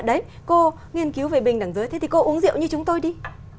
đấy cô nghiên cứu về bình đẳng giới thế thì cô uống rượu như chúng tôi đi